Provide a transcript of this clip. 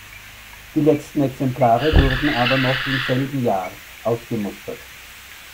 Die letzten Exemplare wurden aber noch im selben Jahr ausgemustert.